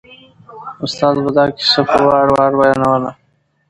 استاد به دا کیسه په وار وار بیانوله.